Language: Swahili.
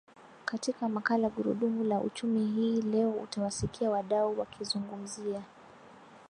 katika makala gurudumu la uchumi hii leo utawasikia wadau wakizungumzia